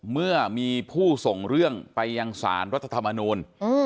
เมื่อมีผู้ส่งเรื่องไปยังสารรัฐธรรมนูล